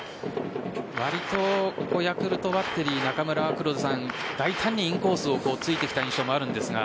割とヤクルトバッテリー中村は大胆にインコースを突いてきた印象もあるんですが。